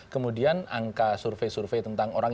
kemudian angka survei survei tentang orang